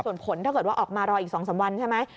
ส่วนผลถ้าเกิดว่าออกมารออีก๒๓วันใช่ไหม